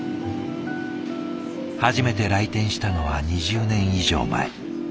初めて来店したのは２０年以上前。